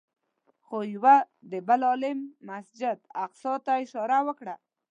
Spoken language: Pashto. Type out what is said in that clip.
خو یوه بل عالم مسجد اقصی ته اشاره وکړه.